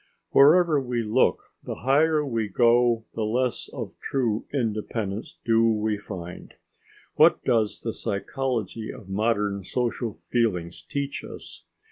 Wherever we look, the higher we go, the less of true independence do we find. What does the psychology of modern social feelings teach us?